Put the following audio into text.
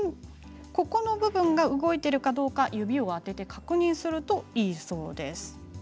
ここの部分が動いているかどうか指を当てて確認するといいそうです。